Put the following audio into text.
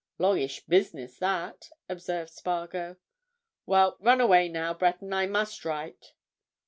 "Longish business that," observed Spargo. "Well, run away now, Breton—I must write."